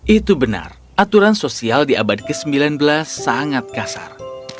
itu benar aturan sosial di abad ke sembilan belas sangat kasar